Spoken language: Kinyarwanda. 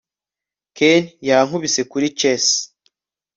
ken yankubise kuri chess